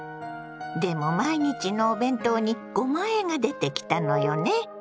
でも毎日のお弁当にごまあえが出てきたのよね。